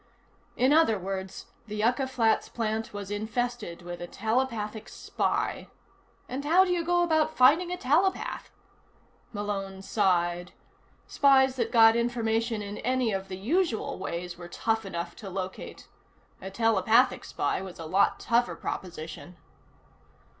In other words, the Yucca Flats plant was infested with a telepathic spy. And how do you go about finding a telepath? Malone sighed. Spies that got information in any of the usual ways were tough enough to locate. A telepathic spy was a lot tougher proposition.